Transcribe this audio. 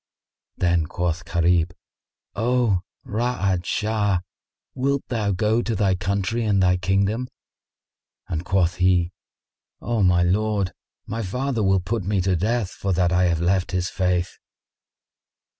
Then quoth Gharib, "O Ra'ad Shah, wilt thou go to thy country and thy kingdom?" and quoth he, "O, my lord, my father will put me to death, for that I have left his faith."